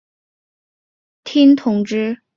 光绪六年调补打箭炉厅同知。